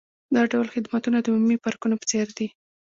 دا ډول خدمتونه د عمومي پارکونو په څیر دي